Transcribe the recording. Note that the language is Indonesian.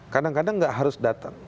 kadang kadang nggak harus datang